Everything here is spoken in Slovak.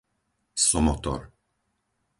Somotor